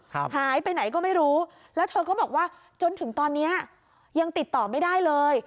หายไปไหนก็ไม่รู้แล้วเธอก็บอกว่าจนถึงตอนเนี้ยยังติดต่อไม่ได้เลย